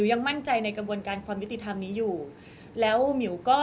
มิวยังมั่นใจนะคะว่ายังมีเจ้าหน้าที่ตำรวจอีกหลายคนที่พร้อมจะให้ความยุติธรรมกับมิว